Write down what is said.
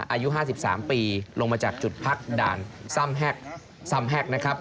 อายุ๕๓ปีลงมาจากจุดพักด่านซ่ำแห้กซ่ำแห้กนะครับ